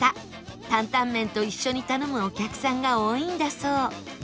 タンタンメンと一緒に頼むお客さんが多いんだそう